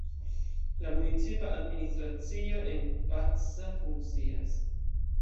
La municipa administracio en Pacsa funkcias.